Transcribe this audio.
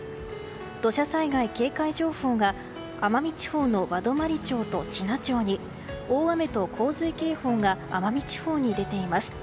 土砂災害警戒情報が奄美地方の和泊町と知名町に大雨と洪水警報が奄美地方に出ています。